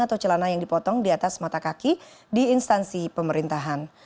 atau celana yang dipotong di atas mata kaki di instansi pemerintahan